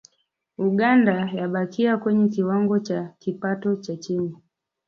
Uganda yabakia kwenye kiwango cha kipato cha chini